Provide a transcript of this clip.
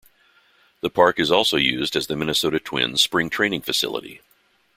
The park is also used as the Minnesota Twins' Spring training facility.